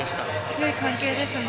よい関係ですね。